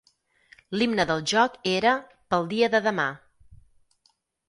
L'himne del joc era "Pel dia de demà".